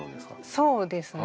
そうですね。